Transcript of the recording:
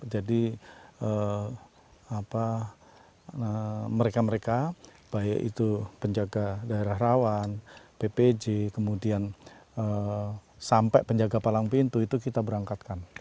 jadi mereka mereka baik itu penjaga daerah rawan ppj kemudian sampai penjaga palang pintu itu kita berangkatkan